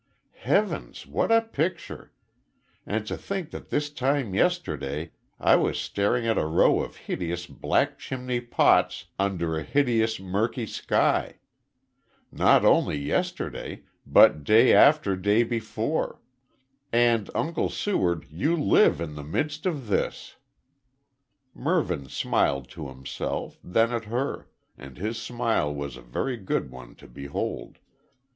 "Heavens, what a picture! And to think that this time yesterday I was staring at a row of hideous black chimney pots under a hideous murky sky. Not only yesterday, but day after day before! And Uncle Seward, you live in the midst of this!" Mervyn smiled to himself, then at her, and his smile was a very good one to behold.